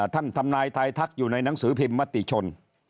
ทำนายทายทักอยู่ในหนังสือพิมพ์มติชน